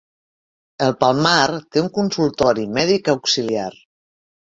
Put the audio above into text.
El Palmar té un consultori mèdic auxiliar.